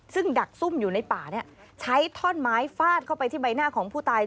ซึ่งดักซุ่มอยู่ในป่าเนี่ยใช้ท่อนไม้ฟาดเข้าไปที่ใบหน้าของผู้ตาย